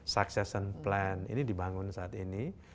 succession plan ini dibangun saat ini